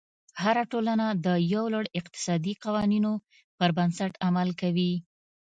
هره ټولنه د یو لړ اقتصادي قوانینو پر بنسټ عمل کوي.